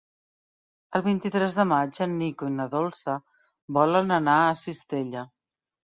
El vint-i-tres de maig en Nico i na Dolça volen anar a Cistella.